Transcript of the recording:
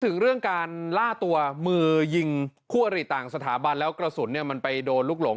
ถึงเรื่องการล่าตัวมือยิงคู่อริต่างสถาบันแล้วกระสุนเนี่ยมันไปโดนลูกหลง